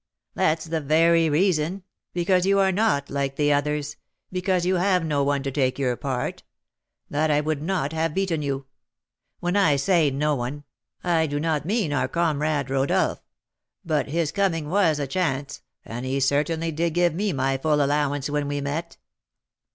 "That's the very reason, because you are not like the others, because you have no one to take your part, that I would not have beaten you. When I say no one, I do not mean our comrade Rodolph; but his coming was a chance, and he certainly did give me my full allowance when we met."